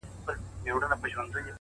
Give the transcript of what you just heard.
o هره شېبه؛